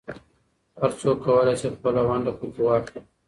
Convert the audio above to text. هر څوک کولای شي خپله ونډه پکې واخلي.